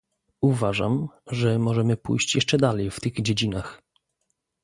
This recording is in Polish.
Uważam, że możemy pójść jeszcze dalej w tych dziedzinach